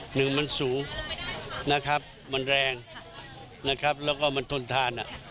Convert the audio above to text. หนึ่งมันสูงนะครับมันแรงนะครับแล้วก็มันทนทานอ่ะ